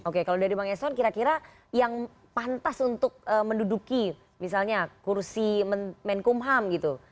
oke kalau dari bang eson kira kira yang pantas untuk menduduki misalnya kursi menkumham gitu